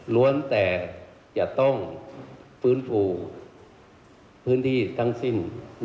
แต่จะต้องฟื้นฟูพื้นที่ทั้งสิ้น